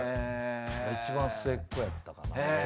一番末っ子やったかな。